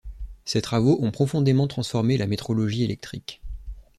Ses travaux ont profondément transformé la métrologie électrique.